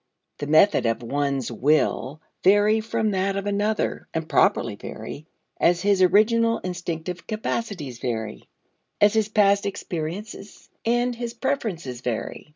The method of one will vary from that of another (and properly vary) as his original instinctive capacities vary, as his past experiences and his preferences vary.